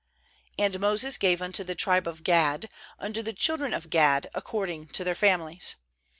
24And Moses gave unto the tribe of Gad, unto the children of Gad, ac cording to their families.